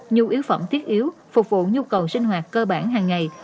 nhu yếu phẩm thiết yếu phục vụ nhu cầu sinh hoạt cơ bản hàng ngày